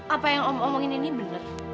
apa yang om omongin ini benar